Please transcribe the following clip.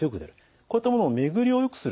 こういったものを巡りをよくする。